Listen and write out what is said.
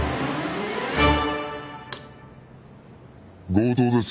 強盗です。